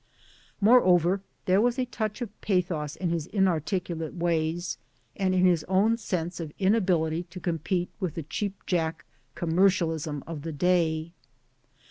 Moreover there was a touch of pathos in his inarticulate ways and in his own sense of inability to compete with the cheapjack com mercialism of the day.